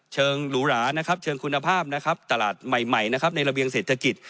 เชิงหรูหราเชิงคุณภาพตลาดใหม่ในระเบียงเศรษฐกิจ